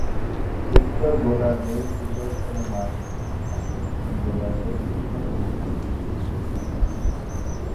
উত্তর গোলার্ধের শীতলতম মাস এটি, আর দক্ষিণ গোলার্ধের উষ্ণতম মাস।